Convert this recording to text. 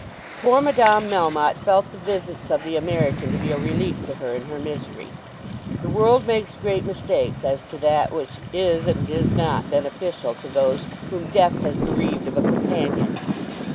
Poor Madame Melmotte felt the visits of the American to be a relief to her in her misery. The world makes great mistakes as to that which is and is not beneficial to those whom Death has bereaved of a companion.